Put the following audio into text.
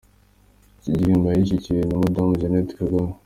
Iki gihembo yagishyikirijwe na Madamu Jeanette Kagame.